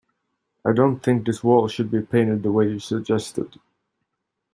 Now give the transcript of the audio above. I don't think this wall should be painted the way you suggested.